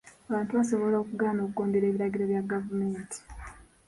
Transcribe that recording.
Abantu basobola okugaana okugondera ebiragiro bya gavumenti.